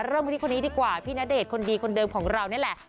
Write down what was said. เริ่มกันที่คนนี้ดีกว่าพี่ณเดชน์คนดีคนเดิมของเรานี่แหละ